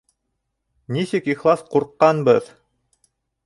Нисек ихлас ҡурҡҡанбыҙ!